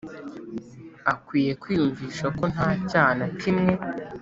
akwiye kwiyumvisha ko nta cyaha na kimwe